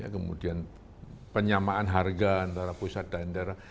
kemudian penyamaan harga antara pusat dan daerah